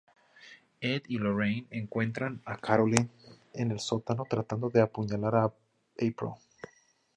Ed y Lorraine encuentran a Carolyn en el sótano tratando de apuñalar a April.